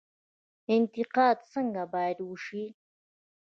انتقاد څنګه باید وشي؟